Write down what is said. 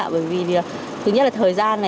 bởi vì thứ nhất là thời gian